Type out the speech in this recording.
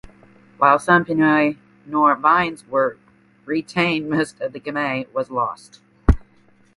While some Pinot noir vines were retained most of the Gamay was lost.